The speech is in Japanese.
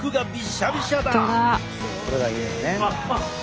これがいいのね。